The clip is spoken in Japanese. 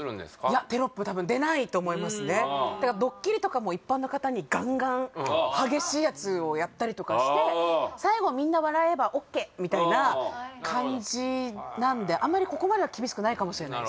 いやテロップ多分出ないと思いますねだからドッキリとかも一般の方にガンガン激しいやつをやったりとかしてみたいな感じなんであんまりここまでは厳しくないかもしれないですね